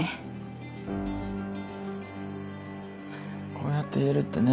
こうやって言えるってね